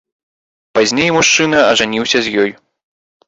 Пазней мужчына ажаніўся з ёй.